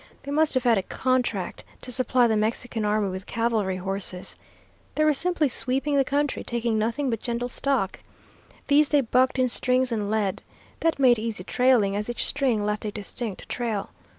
They must have had a contract to supply the Mexican army with cavalry horses. They were simply sweeping the country, taking nothing but gentle stock. These they bucked in strings, and led. That made easy trailing, as each string left a distinct trail.